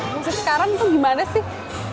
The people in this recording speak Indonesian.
musik sekarang tuh gimana sih